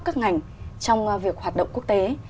các ngành trong việc hoạt động quốc tế